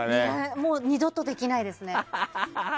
もう二度とできないですね。